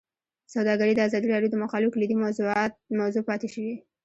سوداګري د ازادي راډیو د مقالو کلیدي موضوع پاتې شوی.